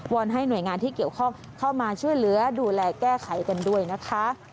อนให้หน่วยงานที่เกี่ยวข้องเข้ามาช่วยเหลือดูแลแก้ไขกันด้วยนะคะ